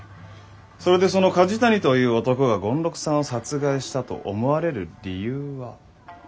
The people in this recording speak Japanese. それでその梶谷という男が権六さんを殺害したと思われる理由は？